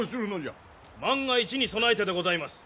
万が一に備えてでございます。